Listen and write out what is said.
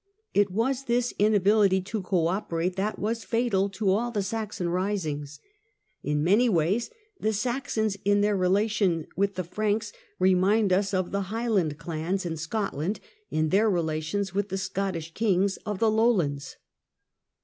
It was this inability to cooperate that was fatal to all the Saxon risings. In many ways the Saxons, in their re lation with the Franks, remind us of the Highland clans in Scotland in their relations with the Scottish kings of the Lowlands.